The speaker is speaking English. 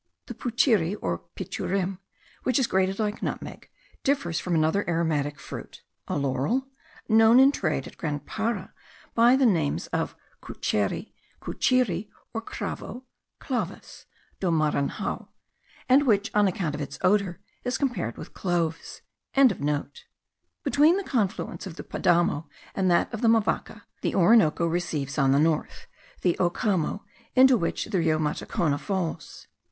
The puchery, or pichurim, which is grated like nutmeg, differs from another aromatic fruit (a laurel?) known in trade at Grand Para by the names of cucheri, cuchiri, or cravo (clavus) do Maranhao, and which, on account of its odour, is compared with cloves.) Between the confluence of the Padamo and that of the Mavaca, the Orinoco receives on the north the Ocamo, into which the Rio Matacona falls.